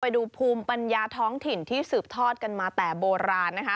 ไปดูภูมิปัญญาท้องถิ่นที่สืบทอดกันมาแต่โบราณนะคะ